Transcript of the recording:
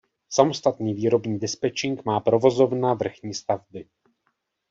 Samostatný výrobní dispečink má provozovna vrchní stavby.